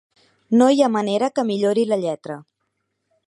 No hi ha manera que millori la lletra.